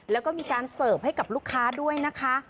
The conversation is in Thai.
แล้วก็มีการเสิร์ฟให้กับลูกค้าด้วยนะคะ